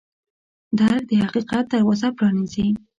درک د حقیقت دروازه پرانیزي.